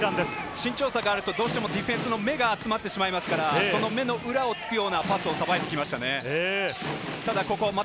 身長差があると、どうしてもディフェンスの目が集まってしまいますから、その裏を突くようなパスをしてきましたね。